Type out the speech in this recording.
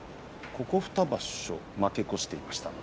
ここ２場所負け越しています。